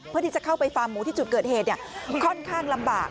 เพื่อที่จะเข้าไปฟาร์มหมูที่จุดเกิดเหตุค่อนข้างลำบาก